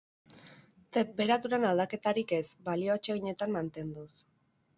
Tenperaturan aldaketarik ez, balio atseginetan mantenduz.